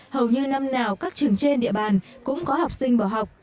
hầu như năm nào các trường trên địa bàn cũng có học sinh bỏ học